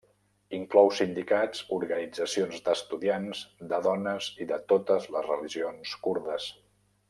Inclou sindicats, organitzacions d'estudiants, de dones i de totes les religions kurdes.